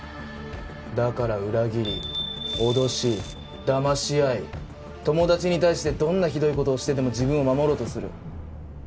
だから裏切り脅しだまし合い友達に対してどんなひどい事をしてでも自分を守ろうとする。